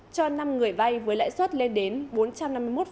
cho năm người vay với lãi suất lên đến bốn trăm năm mươi một một năm